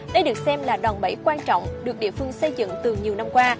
đây được xem là đòn bẫy quan trọng được địa phương xây dựng từ nhiều năm qua